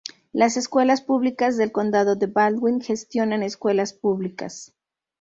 Las Escuelas Públicas del Condado de Baldwin gestiona escuelas públicas.